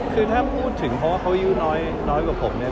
คือถ้าพูดถึงเพราะว่าเขาอายุน้อยกว่าผมเนี่ย